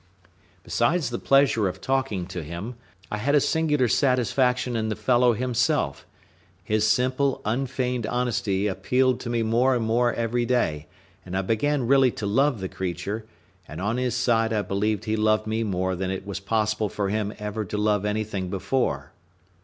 Besides the pleasure of talking to him, I had a singular satisfaction in the fellow himself: his simple, unfeigned honesty appeared to me more and more every day, and I began really to love the creature; and on his side I believe he loved me more than it was possible for him ever to love anything before.